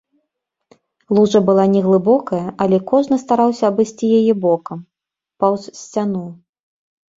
Лужа была не глыбокая, але кожны стараўся абысці яе бокам, паўз сцяну.